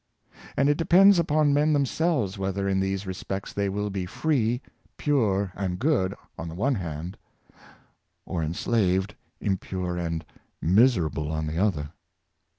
And it depends upon men themselves whether in these respects they will be free, pure, and good, on the one hand; or enslaved, impure, and mis erable, on the other.